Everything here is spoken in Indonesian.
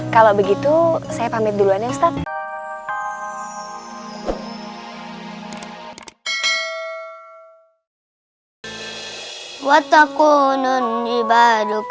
kalau begitu saya pamit duluan ya ustadz